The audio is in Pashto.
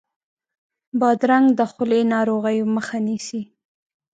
بادرنګ د خولې ناروغیو مخه نیسي.